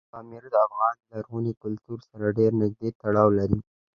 پامیر د افغان لرغوني کلتور سره ډېر نږدې تړاو لري.